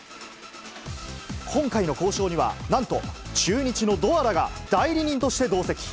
今回の交渉には、なんと、中日のドアラが代理人として同席。